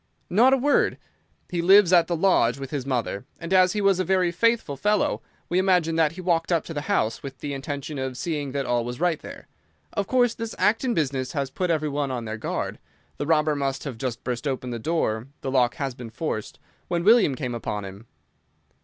"Not a word. He lives at the lodge with his mother, and as he was a very faithful fellow we imagine that he walked up to the house with the intention of seeing that all was right there. Of course this Acton business has put every one on their guard. The robber must have just burst open the door—the lock has been forced—when William came upon him."